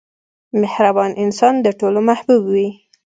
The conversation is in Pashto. • مهربان انسان د ټولو محبوب وي.